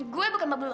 gue bukan mabulu